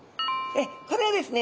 これはですね